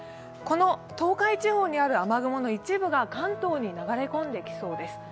東海地方にある雨雲の一部が関東に流れ込んできそうです。